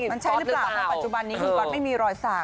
มันใช่หรือเปล่านะปัจจุบันนี้คุณก๊อตไม่มีรอยสัก